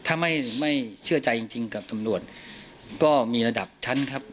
ถ้าไม่เชื่อใจจริงกับตำรวจก็มีระดับชั้นครับ